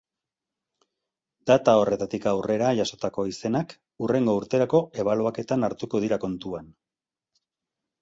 Data horretatik aurrera jasotako izenak hurrengo urterako ebaluaketan hartuko dira kontuan.